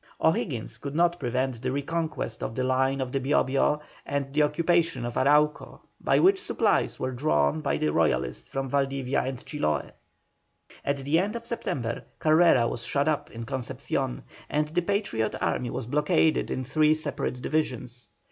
O'Higgins could not prevent the reconquest of the line of the Bio Bio and the occupation of Arauco, by which supplies were drawn by the Royalists from Valdivia and Chiloe. At the end of September Carrera was shut up in Concepcion, and the Patriot army was blockaded in three separate divisions.